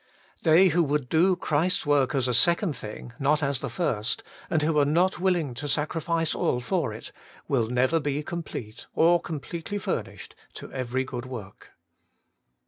They who would do Christ's work as a second thing, not as the first, and who are not willing to sacrifice all for it, will never be complete or completely furnished to every good work.